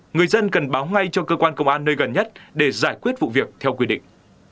người dân cần báo ngay cho cơ quan công an nơi gần nhất để giải quyết vụ việc theo quy định